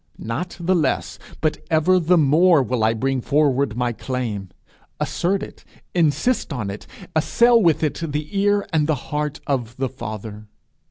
not the less but ever the more will I bring forward my claim! assert it insist on it assail with it the ear and the heart of the father.